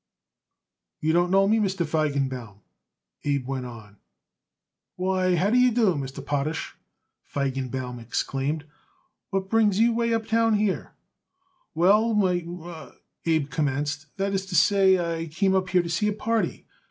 "You don't know me, Mr. Feigenbaum," Abe went on. "Why, how d'ye do, Mr. Potash?" Feigenbaum exclaimed. "What brings you way uptown here?" "We m " Abe commenced "that is to say, I come up here to see a party.